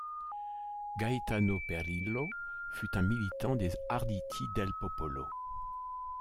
Gaetano Perillo fut un militant des Arditi del Popolo.